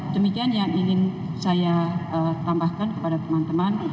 demikian yang ingin saya tambahkan kepada teman teman